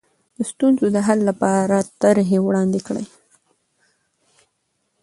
د ستونزو د حل لپاره طرحې وړاندې کړئ.